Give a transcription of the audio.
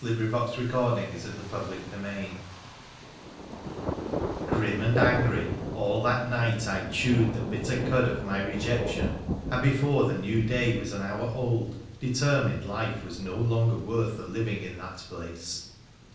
FERA THE PHCENICIAN 159 CHAPTER XII Geim and angry, all that night I chewed the bitter cud of my rejection, and before the new day was an hour old determined life was no longer worth the living in that place.